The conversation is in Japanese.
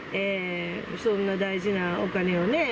そんな大事なお金をねぇ。